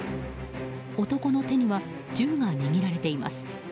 男の手には銃が握られています。